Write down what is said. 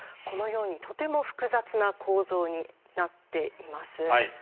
このようにとても複雑な構造になっています。